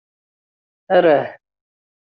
Arah